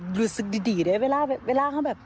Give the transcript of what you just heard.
หลุดสึกดีเลยเวลาเขาแบบ